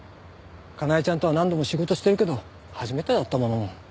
かなえちゃんとは何度も仕事してるけど初めてだったもの。